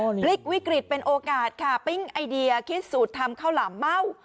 พลิกวิกฤตเป็นโอกาสค่ะปิ้งไอเดียคิดสูตรทำข้าวหลามเม่า